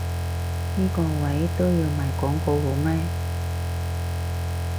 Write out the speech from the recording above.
呢個位都要賣廣告好咩？